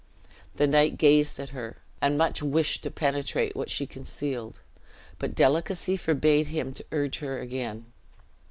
The knight gazed at her, and much wished to penetrate what she concealed, but delicacy forbade him to urge her again.